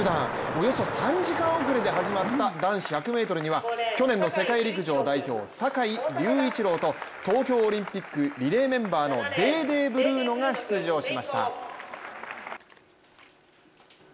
およそ３時間遅れで始まった男子１００ｍには去年の世界陸上代表坂井隆一郎と東京オリンピックリレーメンバーのデーデー・ブルーノが出場しました。